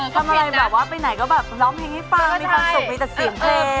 ทำอะไรแบบว่าไปไหนก็แบบร้องเพลงให้ฟังมีความสุขมีแต่เสียงเพลง